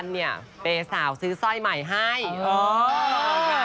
หนีมาชิดมาก